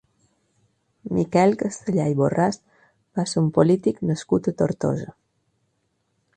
Miquel Castellà i Borràs va ser un polític nascut a Tortosa.